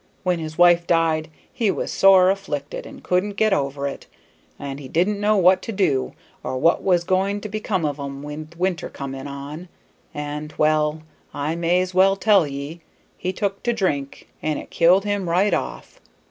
When his wife died he was sore afflicted, and couldn't get over it, and he didn't know what to do or what was going to become of 'em with winter comin' on, and well I may's well tell ye; he took to drink and it killed him right off.